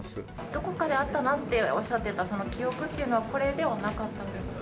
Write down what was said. どこかであったなっておっしゃっていた、その記憶というのは、これではなかったんですか。